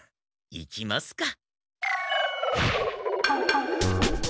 行きますか。